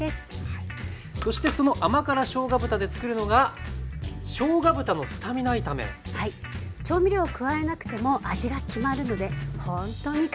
そしてその甘辛しょうが豚でつくるのが調味料を加えなくても味が決まるのでほんとに簡単なんですよ。